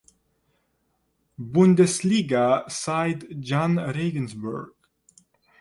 Bundesliga side Jahn Regensburg.